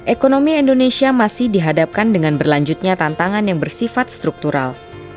ekonomi indonesia masih dihadapkan dengan berlanjutnya tantangan yang bersifat struktural